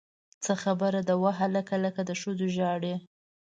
څه خبره ده وهلکه! لکه د ښځو ژاړې!